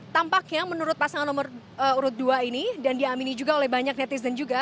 tampaknya menurut pasangan nomor urut dua ini dan diamini juga oleh banyak netizen juga